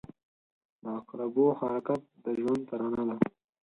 • د عقربو حرکت د ژوند ترانه ده.